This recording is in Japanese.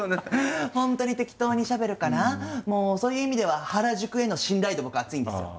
本当に適当にしゃべるからもうそういう意味では原宿への信頼度僕厚いんですよ。